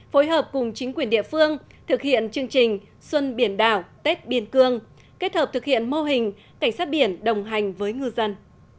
phối hợp cùng chính quyền địa phương thực hiện chương trình xuân biển đảo tết biên cương kết hợp thực hiện mô hình cảnh sát biển đồng hành với ngư dân